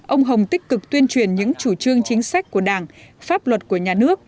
ông hồng tích cực tuyên truyền những chủ trương chính sách của đảng pháp luật của nhà nước